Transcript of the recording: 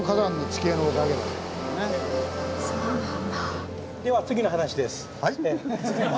そうなんだ。